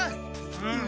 うん。